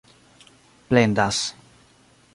plendas